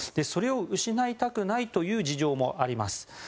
それを失いたくないという事情もあります。